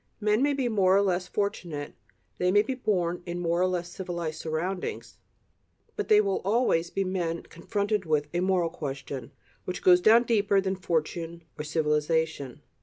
Men may be more or less fortunate, they may be born in more or less civilized surroundings, but they will always be men confronted by a "moral question," which goes down deeper than fortune or civilization.